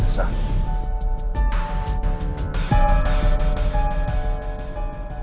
kalau sampai ketahuan kamu berbohong lagi